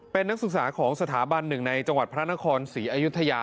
เป็นนักศึกษาของสถาบันหนึ่งในจังหวัดพระนครศรีอยุธยา